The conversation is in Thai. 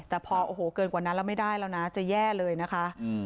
แต่พอโอ้โหเกินกว่านั้นแล้วไม่ได้แล้วนะจะแย่เลยนะคะ